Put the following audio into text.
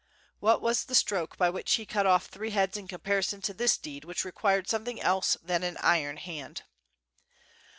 What was the stroke by which he cut off three heads in comparison to this deed which required something else than an iron hand.